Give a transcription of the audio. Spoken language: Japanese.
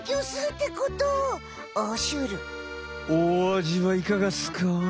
おあじはいかがっすか？